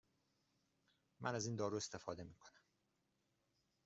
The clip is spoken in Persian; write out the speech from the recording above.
من از این دارو استفاده می کنم.